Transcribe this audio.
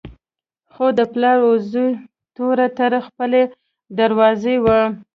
خو د پلار و زوی توره تر خپلې دروازې وه.